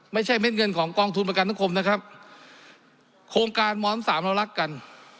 ไม่ใช่เม็ดเงินของกองทุนประกันตนคมนะครับโครงการม๓เรารักกัน